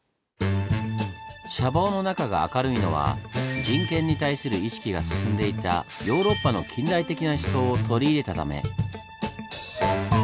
舎房の中が明るいのは人権に対する意識が進んでいたヨーロッパの近代的な思想を取り入れたため。